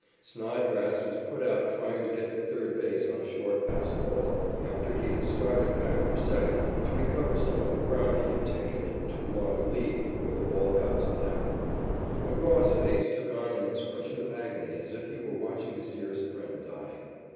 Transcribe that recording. Snodgrass was put out trying to get to third base on a short passed ball, after he had started back for second to recover some of the ground he had taken in too long a lead before the ball got to Lapp. McGraw's face took on an expression of agony as if he were watching his dearest friend die.